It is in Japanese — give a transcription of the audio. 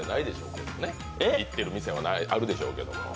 行ってる店はあるでしょうけど。